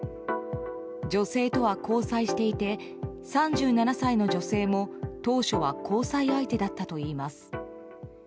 女性とは交際していて３７歳の女性も当初は交際相手だったといいます。